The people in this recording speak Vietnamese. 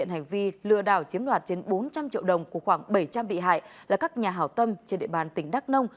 hành vi lừa đảo chiếm đoạt trên bốn trăm linh triệu đồng của khoảng bảy trăm linh bị hại là các nhà hảo tâm trên địa bàn tỉnh đắk nông